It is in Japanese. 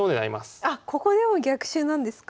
ここでも逆襲なんですか。